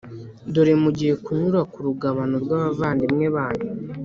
dore mugiye kunyura ku rugabano rw’abavandimwe banyu,